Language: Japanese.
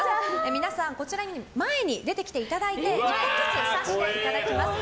皆さん前に出てきていただいて１本ずつ刺していただきます。